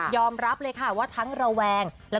รับเลยค่ะว่าทั้งระแวง